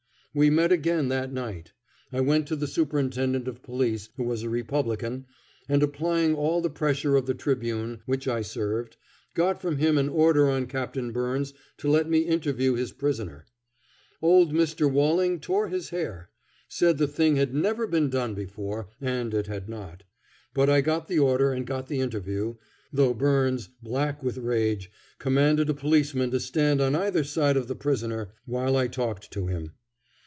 But we met again that night. I went to the Superintendent of Police, who was a Republican, and, applying all the pressure of the Tribune, which I served, got from him an order on Captain Byrnes to let me interview his prisoner. Old Mr. Walling tore his hair; said the thing had never been done before, and it had not. But I got the order and got the interview, though Byrnes, black with rage, commanded a policeman to stand on either side of the prisoner while I talked to him.